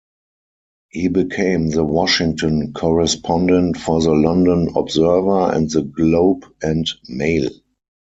He became the Washington correspondent for the "London Observer" and the "Globe and Mail".